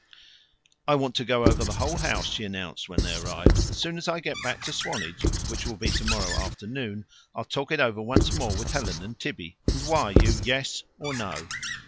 "I want to go over the whole house," she announced when they arrived. "As soon as I get back to Swanage, which will be tomorrow afternoon, I'll talk it over once more with Helen and Tibby, and wire you 'yes' or 'no.'"